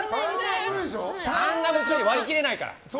３は割り切れないから。